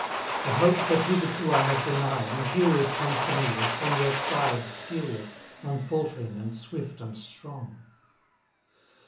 The hope that hitherto I have denied Imperious comes to me as from your side Serious, unfaltering and swift and strong.